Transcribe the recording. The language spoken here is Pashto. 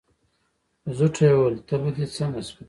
په زوټه يې وويل: تبه دې څنګه شوه؟